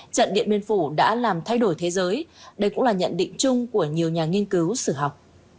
trận điện biên phủ đã làm thay đổi thế giới đây cũng là nhận định chung của nhiều nhà nghiên cứu sử học